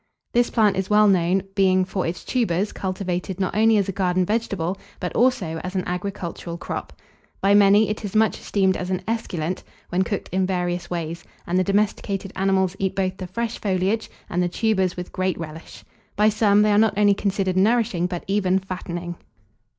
This plant is well known, being, for its tubers, cultivated not only as a garden vegetable, but also as an agricultural crop. By many it is much esteemed as an esculent, when cooked in various ways; and the domesticated animals eat both the fresh foliage, and the tubers with great relish. By some, they are not only considered nourishing, but even fattening.